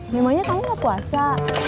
memangnya kamu gak puasa